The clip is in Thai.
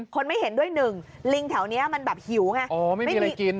คนไม่เห็นด้วยหนึ่งลิงแถวนี้มันแบบหิวใช่ไหม